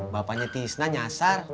bapaknya tisna nyasar